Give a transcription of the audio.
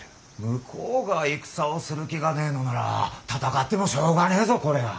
向こうが戦をする気がねえのなら戦ってもしょうがねえぞこれは。